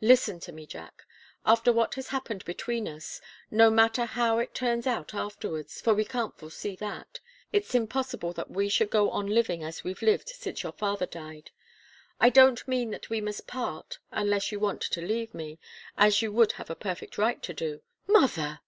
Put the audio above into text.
Listen to me, Jack. After what has happened between us no matter how it turns out afterwards, for we can't foresee that it's impossible that we should go on living as we've lived since your father died. I don't mean that we must part, unless you want to leave me, as you would have a perfect right to do." "Mother!"